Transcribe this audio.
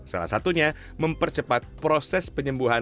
salah satunya mempercepat proses penyembuhan